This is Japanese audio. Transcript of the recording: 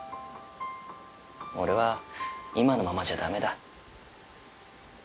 俺は今のままじゃダメだ。